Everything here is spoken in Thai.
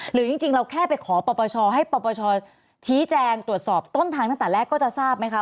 จริงเราแค่ไปขอปปชให้ปปชชี้แจงตรวจสอบต้นทางตั้งแต่แรกก็จะทราบไหมคะ